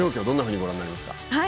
どんなふうにご覧になりますか。